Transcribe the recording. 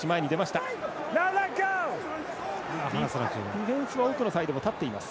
ディフェンスは奥のサイドも立っています。